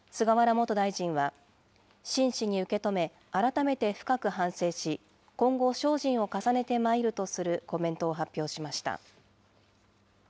元大臣は、真摯に受け止め、改めて深く反省し、今後、精進を重ねてまいるとするコメントを発表しました。